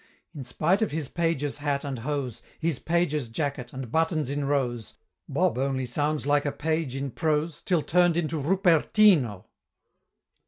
In spite of his Page's hat and hose, His Page's jacket, and buttons in rows, Bob only sounds like a page in prose Till turn'd into Rupertino.